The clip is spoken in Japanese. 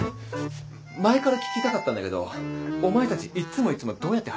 前から聞きたかったんだけどお前たちいっつもいっつもどうやって入ってるわけ？